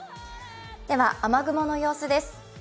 では、雨雲の様子です。